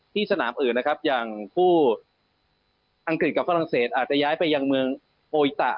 สนามอื่นนะครับอย่างคู่อังกฤษกับฝรั่งเศสอาจจะย้ายไปยังเมืองโออิตะ